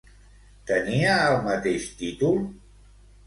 Tenia el mateix títol?